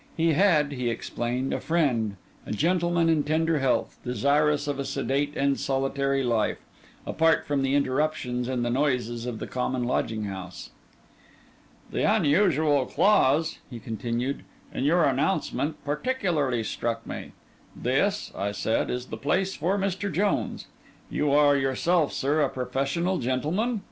He had (he explained) a friend, a gentleman in tender health, desirous of a sedate and solitary life, apart from interruptions and the noises of the common lodging house. 'The unusual clause,' he continued, 'in your announcement, particularly struck me. "This," I said, "is the place for Mr. Jones." You are yourself, sir, a professional gentleman?